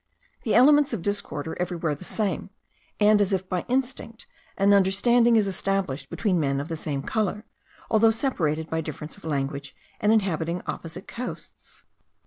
The elements of discord are everywhere the same; and, as if by instinct, an understanding is established between men of the same colour, although separated by difference of language, and inhabiting opposite coasts.